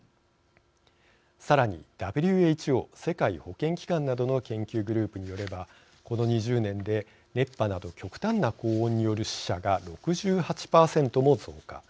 さらにＷＨＯ＝世界保健機関などの研究グループによればこの２０年で熱波など極端な高温による死者が６８％も増加。